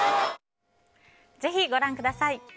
ぜひ、ご覧ください。